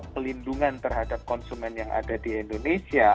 pelindungan terhadap konsumen yang ada di indonesia